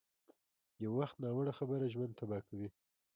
یو وخت ناوړه خبره ژوند تباه کوي.